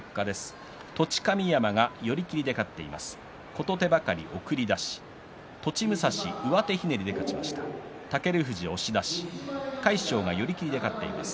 栃神山が寄り切りで勝っています。